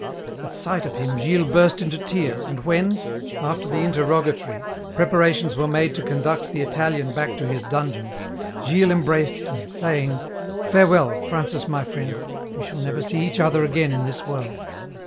At sight of him Gilles burst into tears and when, after the interrogatory, preparations were made to conduct the Italian back to his dungeon, Gilles embraced him, saying, "Farewell, Francis my friend, we shall never see each other again in this world.